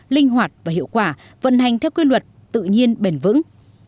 linh hoạt và hiệu quả vận hành theo quy luật tự nhiên bền vững